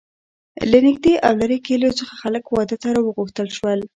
له نږدې او لرې کلیو څخه خلک واده ته را وغوښتل شول.